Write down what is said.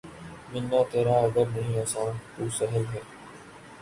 ملنا تیرا اگر نہیں آساں‘ تو سہل ہے